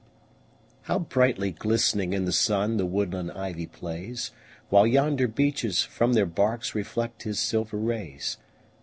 How brightly glistening in the sun The woodland ivy plays! While yonder beeches from their barks Reflect his silver rays.